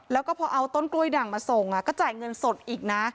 แล้วก็พอเอาต้นกล้วยด่างมาส่งก็จ่ายเงินสดอีกนะ